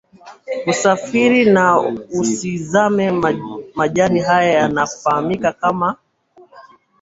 kusafiria na usizame Majani haya yanafahamika kama